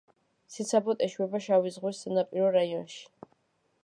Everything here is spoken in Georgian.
ციცაბოდ ეშვება შავი ზღვის სანაპირო რაიონში.